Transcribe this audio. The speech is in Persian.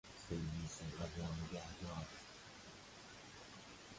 سرویس غذا نگه دار